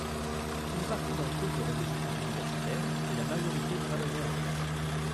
Une partie d'entre eux feront des études universitaires, et la majorité travailleront en France.